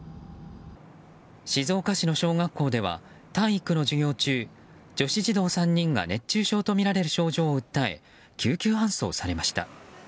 静岡市の小学校では体育の授業中女子児童３人が熱中症とみられる症状を訴え救急搬送されました。